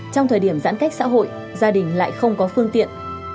trong thời điểm giãn cách xã hội gia đình lại không có phương tiện